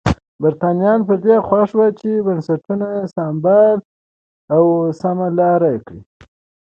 برېټانویان پر دې خوښ وو چې بنسټونه یې سمبال او سمه لار یې کړي.